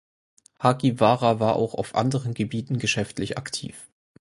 Hagiwara war auch auf anderen Gebieten geschäftlich aktiv.